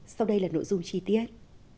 sau đây là nội dung chi tiết